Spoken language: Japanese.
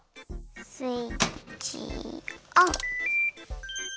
スイッチオン！